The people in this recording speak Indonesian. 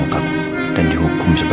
aku kan usia